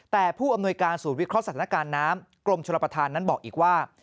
แต่ผู้อำนวยการศูนย์วิเคราะห์สถานการณ์น้ำกรมชลประธานนั้นบอกอีกว่า